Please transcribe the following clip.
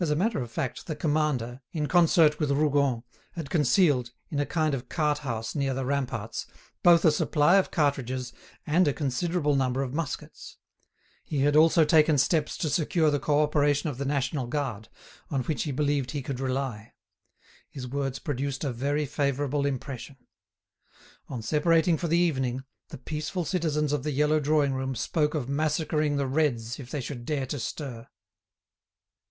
As a matter of fact the commander, in concert with Rougon, had concealed, in a kind of cart house near the ramparts, both a supply of cartridges and a considerable number of muskets; he had also taken steps to secure the co operation of the National Guard, on which he believed he could rely. His words produced a very favourable impression. On separating for the evening, the peaceful citizens of the yellow drawing room spoke of massacring the "Reds" if they should dare to stir.